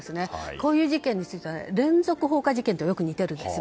こういう事件については連続放火事件と似てるんです